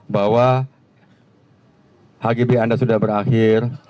bahwa hgb anda sudah berakhir